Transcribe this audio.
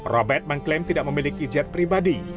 robert mengklaim tidak memiliki jet pribadi